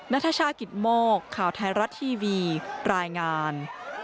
นัทชากิตโมกข่าวไทยรัฐทีวีรายงาน